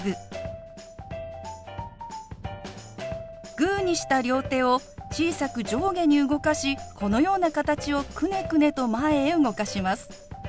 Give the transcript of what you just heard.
グーにした両手を小さく上下に動かしこのような形をくねくねと前へ動かします。